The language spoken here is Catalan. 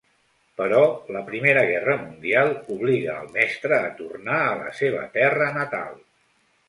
Però la Primera Guerra Mundial obliga al mestre a tornar a la seva terra natal.